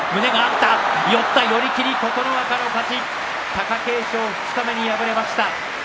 貴景勝、二日目に敗れました。